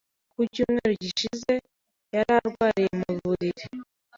Ku cyumweru gishize, yari arwariye mu buriri.